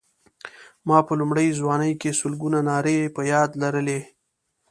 ما په لومړۍ ځوانۍ کې سلګونه نارې په یاد لرلې.